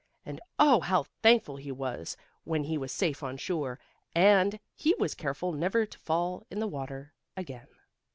And oh! how thankful he was when he was safe on shore, and he was careful never to fall in the water again.